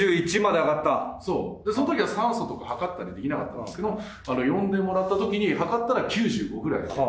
そう、そのときは酸素とか測ったりできなかったんですけど、呼んでもらったときに測ったら９５ぐらい。